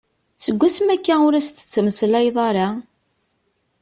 Seg wasmi akka ur as-tettmeslayeḍ ara?